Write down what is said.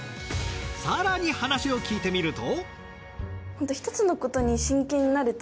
更に話を聞いてみると。